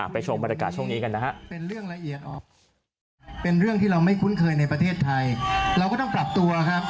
ชมบรรยากาศช่วงนี้กันนะฮะ